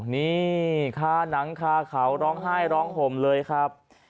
นี่คาหนังคาเขาร้องไห้ร้องห่มเลยครับ